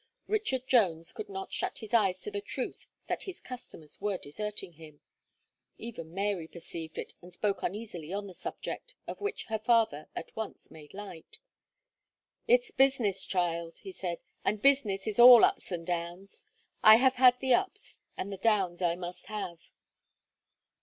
Richard Jones could not shut his eyes to the truth that his customers were deserting him. Even Mary perceived it, and spoke uneasily on the subject, of which her father at once made light. "It's business, child," he said, "and business is all ups and downs; I have had the ups, and the downs I must have."